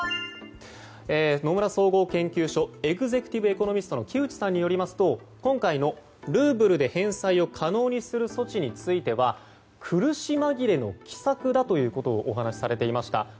野村総合研究所エグゼクティブ・エコノミストの木内さんによりますと今回のルーブルで返済を可能にする措置については苦し紛れの奇策だということをお話しされていました。